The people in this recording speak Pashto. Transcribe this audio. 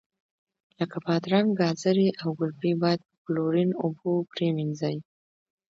لکه بادرنګ، ګازرې او ګلپي باید په کلورین اوبو پرېمنځئ.